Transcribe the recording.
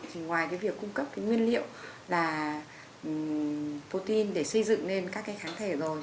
thì ngoài cái việc cung cấp cái nguyên liệu là protein để xây dựng lên các cái kháng thể rồi